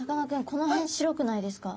この辺白くないですか？